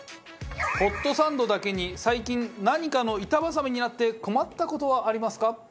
ホットサンドだけに最近何かの板挟みになって困った事はありますか？